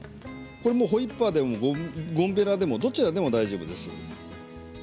ホイッパーでもゴムべらでもどちらでも大丈夫です。